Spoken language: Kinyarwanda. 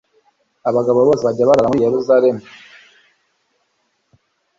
abagabo bose bajye barara muri Yerusalemu